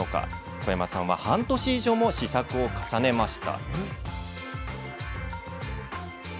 小山さんは半年以上も試作を重ねました。